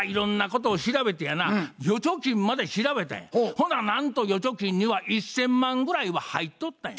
ほななんと預貯金には１，０００万ぐらいは入っとったんや。